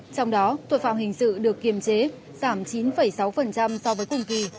trong đó tội phạm hình sự được kiềm chế giảm chín sáu so với cùng kỳ